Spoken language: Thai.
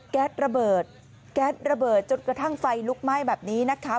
ระเบิดแก๊สระเบิดจนกระทั่งไฟลุกไหม้แบบนี้นะคะ